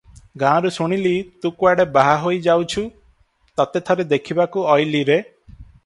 ଗାଁରୁ ଶୁଣିଲି, ତୁ କୁଆଡେ ବାହା ହୋଇ ଯାଉଛୁ, ତତେ ଥରେ ଦେଖିବାକୁ ଅଇଲି ରେ ।